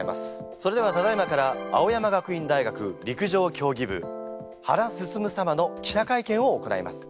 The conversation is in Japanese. それではただいまから青山学院大学陸上競技部原晋様の記者会見を行います。